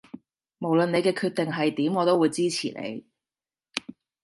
無論你嘅決定係點我都會支持你